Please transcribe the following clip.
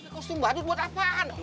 kostum badut buat apaan